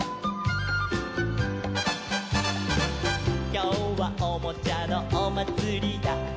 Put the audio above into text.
「きょうはおもちゃのおまつりだ」